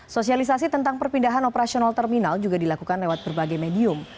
sosialisasi tentang perpindahan operasional terminal juga dilakukan lewat berbagai medium